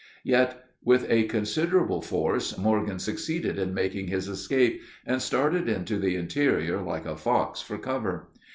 ] Yet with a considerable force Morgan succeeded in making his escape, and started into the interior like a fox for cover.